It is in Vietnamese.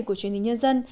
của truyền hình nhân dân